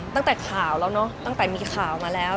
ตั้งแต่ข่าวแล้วเนอะตั้งแต่มีข่าวมาแล้ว